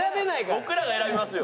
僕らが選びますよ。